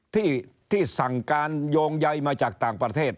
ที่สั่งการโยงใยมาจากต่างประเทศ